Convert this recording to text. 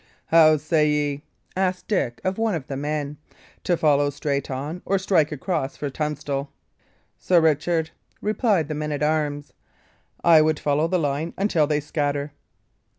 "How say ye," asked Dick of one of the men, "to follow straight on, or strike across for Tunstall?" "Sir Richard," replied the man at arms, "I would follow the line until they scatter."